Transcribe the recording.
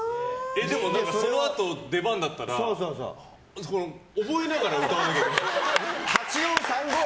でもそのあと出番だったら覚えながら歌わなきゃいけない。